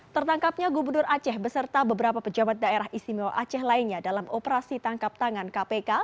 tertangkapnya gubernur aceh beserta beberapa pejabat daerah istimewa aceh lainnya dalam operasi tangkap tangan kpk